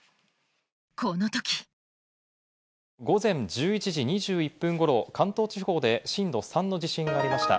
この時午前１１時２１分ごろ関東地方で震度３の地震がありました。